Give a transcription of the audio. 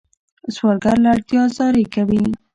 سوالګر له اړتیا زاری کوي